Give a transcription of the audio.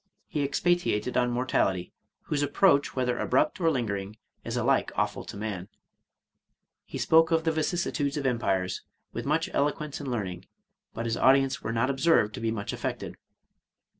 He expatiated on mortality, whose approach, whether abrupt or lingering, is alike awful to man. — He spoke of the vicissi 178 Charles Robert Maturin tudes of empires with much eloquence and learning, but his audience were not observed to be much affected.